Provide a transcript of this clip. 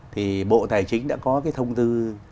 thì bộ tài chính đã có cái thông tư chín mươi sáu